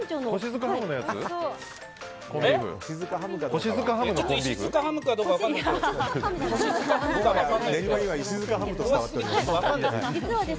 腰塚ハムかどうかは分からないです。